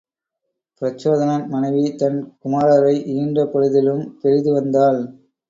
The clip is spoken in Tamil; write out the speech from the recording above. பிரச்சோதனன் மனைவி தன் குமாரரை ஈன்ற பொழுதிலும் பெரிதுவந்தாள்.